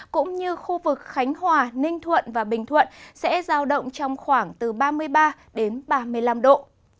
cũng như khu vực khánh hòa ninh thuận và bình thuận sẽ giao động trong khoảng từ ba mươi ba đến ba mươi năm độ